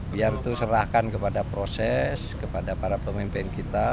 biar itu serahkan kepada proses kepada para pemimpin kita